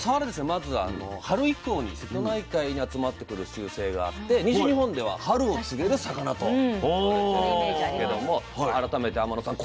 まず春以降に瀬戸内海に集まってくる習性があって西日本では春を告げる魚と言われているんですけども改めて天野さん